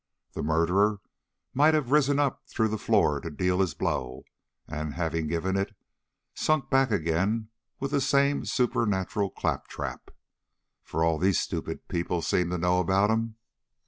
The murderer might have risen up through the floor to deal his blow, and having given it, sunk back again with the same supernatural claptrap, for all these stupid people seem to know about him."